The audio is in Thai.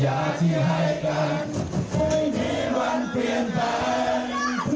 สัญญาที่ให้กันไม่มีวันเปลี่ยนไป